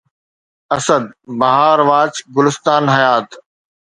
اسد! بهار واچ گلستان حيات